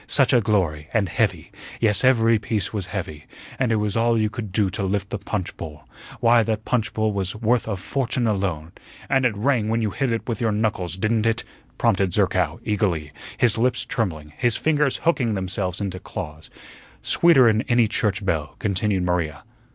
"Such a glory, and heavy. Yes, every piece was heavy, and it was all you could do to lift the punch bowl. Why, that punch bowl was worth a fortune alone " "And it rang when you hit it with your knuckles, didn't it?" prompted Zerkow, eagerly, his lips trembling, his fingers hooking themselves into claws. "Sweeter'n any church bell," continued Maria.